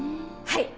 はい。